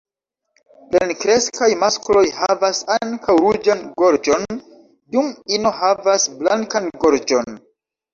Plenkreskaj maskloj havas ankaŭ ruĝan gorĝon, dum ino havas blankan gorĝon.